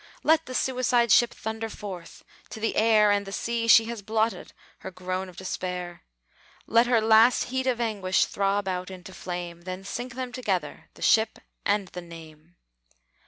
Let the suicide ship thunder forth, to the air And the sea she has blotted, her groan of despair! Let her last heat of anguish throb out into flame! Then sink them together, the ship and the name!